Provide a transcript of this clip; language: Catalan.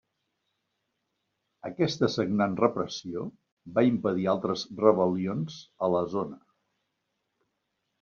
Aquesta sagnant repressió va impedir altres rebel·lions a la zona.